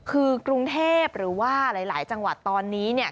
คือกรุงเทพหรือว่าหลายจังหวัดตอนนี้เนี่ย